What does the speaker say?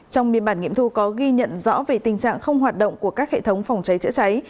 trong biên bản nghiệm thu có ghi nhận rõ về tình trạng không hoạt động của các hệ thống phòng cháy chữa cháy